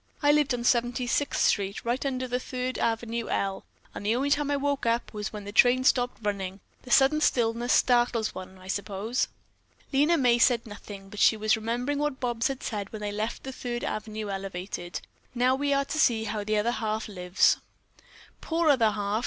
"I lived on Seventy sixth Street, right under the Third Avenue L, and the only time I woke up was when the trains stopped running. The sudden stillness startles one, I suppose." Lena May said nothing, but she was remembering what Bobs had said when they had left the Third Avenue Elevated: "Now we are to see how the 'other half' lives." "Poor other half!"